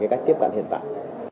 cách tiếp cận hiện tại